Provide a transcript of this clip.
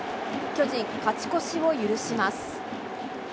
巨人、勝ち越しを許します。